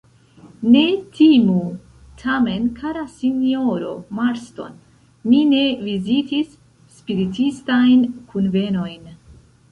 Ne timu, tamen, kara sinjoro Marston, mi ne vizitis spiritistajn kunvenojn.